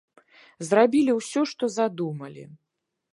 Зрабілі ўсё, што задумалі.